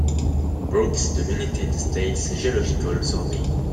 Brooks de l'United States Geological Survey.